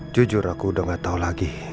jujur aku udah ngga tau lagi